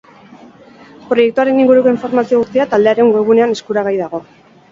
Proiektuaren inguruko informazio guztia taldearen webgunean eskuragai dago.